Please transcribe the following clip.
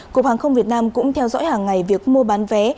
cục hàng không việt nam cũng theo dõi hàng ngày việc mua bán vé